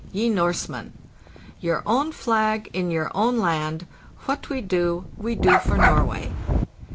], ye Norseman! Your own flag in your own land. What we do we do for Norway."